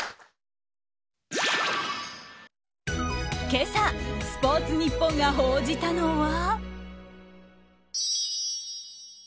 今朝スポーツニッポンが報じたのは。